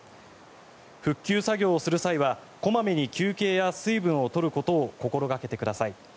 復旧作業をする際は小まめに休憩や水分を取ることを心掛けてください。